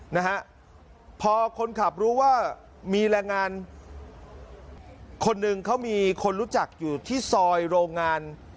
นะฮะพอคนขับรู้ว่ามีแรงงานคนหนึ่งเขามีคนรู้จักอยู่ที่ซอยโรงงาน